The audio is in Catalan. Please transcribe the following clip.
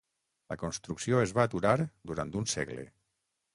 La construcció es va aturar durant un segle.